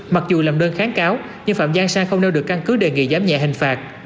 mặc dù làm đơn kháng cáo nhưng phạm giang sang không nêu được căn cứ đề nghị giảm nhẹ hình phạt